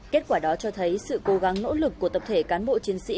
kết quả đó cho thấy sự cố gắng nỗ lực của tập thể cán bộ chiến sĩ